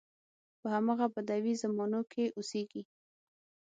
په همغه بدوي زمانو کې اوسېږي.